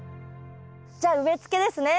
じゃあ植えつけですね。